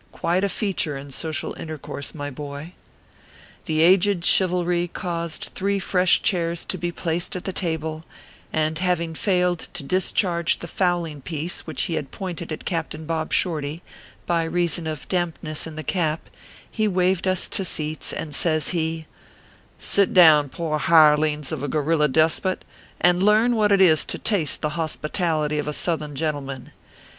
Quite a feature in social intercourse, my boy. The aged Chivalry caused three fresh chairs to be placed at the table, and having failed to discharge the fowling piece which he had pointed at Captain Bob Shorty, by reason of dampness in the cap, he waved us to seats, and says he :" Sit down, poor hirelings of a gorilla despot, and learn what it is to taste the hospitality of a Southern gentleman.